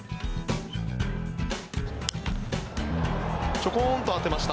ちょこんと当てました。